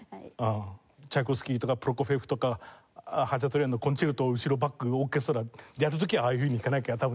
チャイコフスキーとかプロコフィエフとかハチャトゥリアンのコンチェルトを後ろバックオーケストラでやる時はああいうふうに弾かなきゃ多分出ないだろうけれども